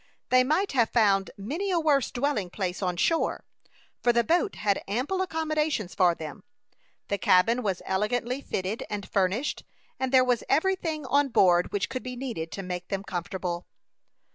They might have found many a worse dwelling place on shore, for the boat had ample accommodations for them. The cabin was elegantly fitted and furnished, and there was every thing on board which could be needed to make them comfortable.